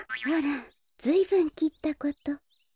あらずいぶんきったこと。